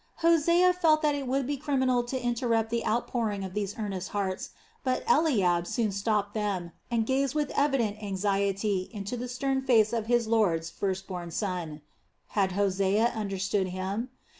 Hosea felt that it would be criminal to interrupt the outpouring of these earnest hearts, but Eliab soon stopped them and gazed with evident anxiety into the stern face of his lord's first born son. Had Hosea understood him?